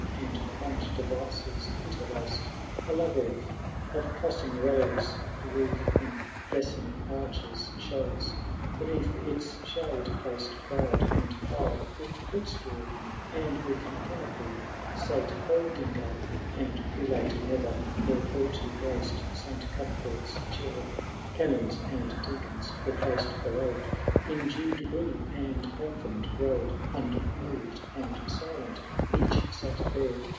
And quaint devices interlaced, A labyrinth of crossing rows, The roof in lessening arches shows ; Beneath its shade placed proud and high, With footstool and with canopy. Sate Aldingar, and prelate ne^er More haughty graced Saint Cuthbert^s chair ; Canons and deacons were placed below, In due degree and lengthen^ row. Unmoved and silent each sat there.